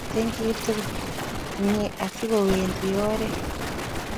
meche kogeer nderefainik kole miten kiy tuguk komnyei asigowendi oret